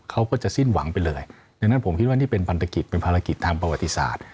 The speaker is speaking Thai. เขาก็จะสิ้นหวังไปเลยดังนั้นผมคิดว่านี่เป็นพันธกิจเป็นภารกิจทางประวัติศาสตร์